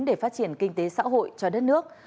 để phát triển kinh tế xã hội cho đất nước